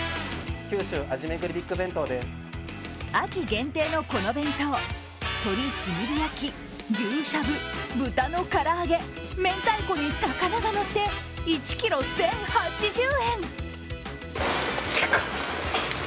秋限定のこの弁当、鶏炭火焼き、牛しゃぶ、豚の唐揚げ、明太子に高菜がのって１ｋｇ１０８０円！